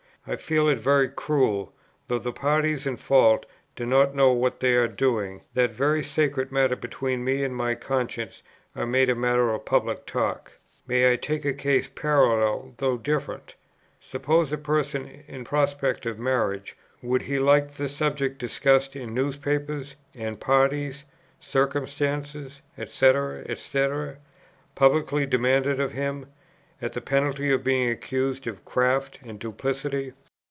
I feel it very cruel, though the parties in fault do not know what they are doing, that very sacred matters between me and my conscience are made a matter of public talk. May I take a case parallel though different? suppose a person in prospect of marriage; would he like the subject discussed in newspapers, and parties, circumstances, &c., &c., publicly demanded of him, at the penalty of being accused of craft and duplicity?